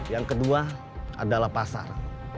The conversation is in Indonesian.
yang kedua adalah pasar